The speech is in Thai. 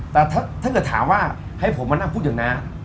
แต่ถ้าเกิดถามว่าให้ผมมานั่งพูดอยู่นะ